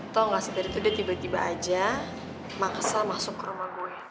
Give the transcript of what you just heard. tau gak sih dari itu dia tiba tiba aja maksa masuk ke rumah gue